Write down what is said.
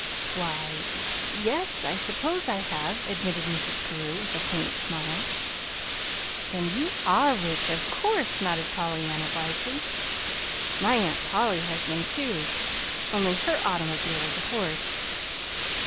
"Why, y yes, I suppose I have," admitted Mrs. Carew, with a faint smile. "Then you are rich, of course," nodded Pollyanna, wisely. "My Aunt Polly has them, too, only her automobile is a horse.